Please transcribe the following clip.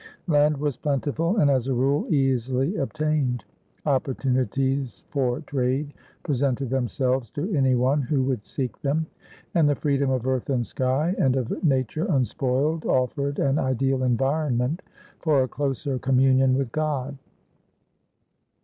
Land was plentiful, and, as a rule, easily obtained; opportunities for trade presented themselves to any one who would seek them; and the freedom of earth and sky and of nature unspoiled offered an ideal environment for a closer communion with God.